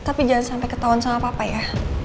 ma tapi jangan sampai ketauan sama papa ya